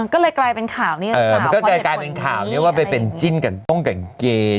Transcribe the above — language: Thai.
ก็เลยกลายเป็นข่าวนี้ว่าไปเป็นจิ้นกับต้องกับเกรียด